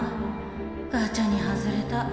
ガチャに外れた。